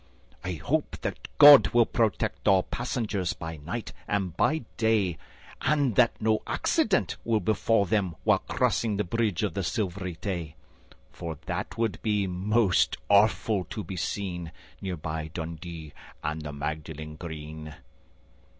I hope that God will protect all passengers By night and by day, And that no accident will befall them while crossing The Bridge of the Silvery Tay, For that would be most awful to be seen Near by Dundee and the Magdalen Green.